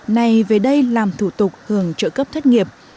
này về đây làm thủ tục hưởng trợ cấp thất nghiệp